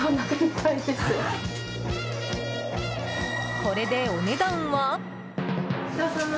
これでお値段は？